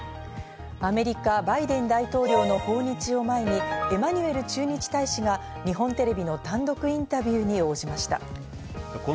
アメリカ、バイデン大統領の訪日を前にエマニュエル駐日大使が日本テレビの単独インタビューに応じました。